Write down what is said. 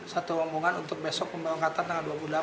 satu rombongan untuk besok pemerangkatan